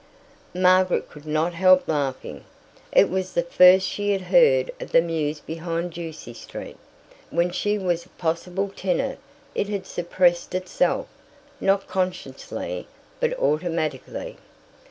Margaret could not help laughing. It was the first she had heard of the mews behind Ducie Street. When she was a possible tenant it had suppressed itself, not consciously, but automatically.